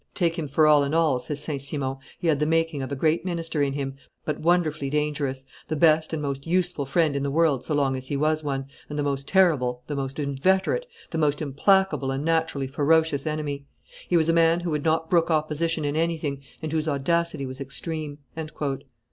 "Take him for all in all," says St. Simon, "he had the making of a great minister in him, but wonderfully dangerous; the best and most useful friend in the world so long as he was one, and the most terrible, the most inveterate, the most implacable and naturally ferocious enemy; he was a man who would not brook opposition in anything, and whose audacity was extreme."